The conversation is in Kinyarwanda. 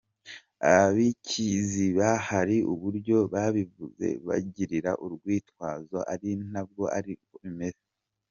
Ab’i Kiziba hari uburyo babivuze babigira urwitwazo ariko ntabwo ariko bimeze.